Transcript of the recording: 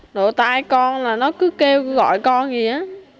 đổ tay con là nó cứ kêu cứ gọi con gì đó